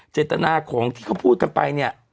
เจตนาของที่เขาพูดกันไปเนี่ย